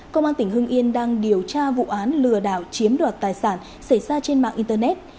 công an tỉnh hưng yên đang điều tra vụ án lừa đảo chiếm đoạt tài sản xảy ra trên mạng internet